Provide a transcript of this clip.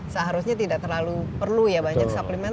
seharusnya tidak terlalu perlu ya banyak suplemen